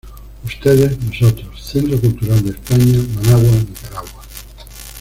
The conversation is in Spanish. Ustedes Nosotros, Centro Cultural de España, Managua, Nicaragua.